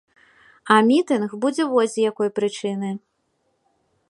А мітынг будзе вось з якой прычыны.